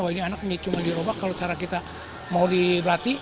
oh ini anak ini cuma dirobak kalau cara kita mau dilatih